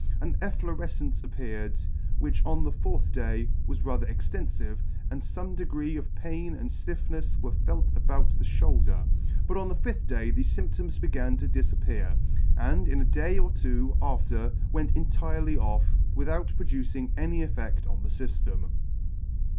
An efflorefcence appeared, which on the fourth day was rather extenfive, and fome degree of pain and ftiffnefs were felt about the fhoulder ; but on the fifth day thefe fymp toms began to difappear, and in a day or two after went entirely off, without producing any effedt on the fyftem.